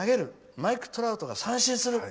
マイク・トラウトが三振する。